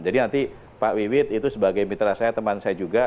jadi nanti pak wiwit itu sebagai mitra saya teman saya juga